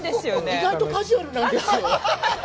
意外とカジュアルなんですよ。